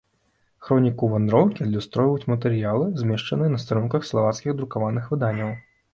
Хроніку вандроўкі адлюстроўваюць матэрыялы, змешчаныя на старонках славацкіх друкаваных выданняў.